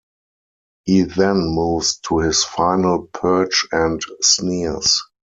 He then moves to his final perch and sneers.